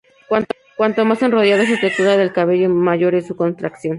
Cuanto más enrollado es la textura del cabello, mayor es su contracción.